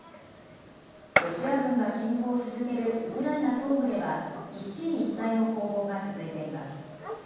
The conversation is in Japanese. ロシア軍が侵攻を続けるウクライナ東部では一進一退の攻防が続いています。